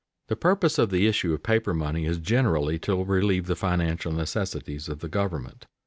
_ The purpose of the issue of paper money is generally to relieve the financial necessities of the government.